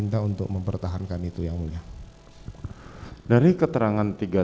hai saya minta untuk mempertahankan itu yang mulia dari keterangan tiga